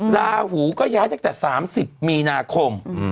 ดาหูก็ย้ายจากแต่๓๐มีนาคม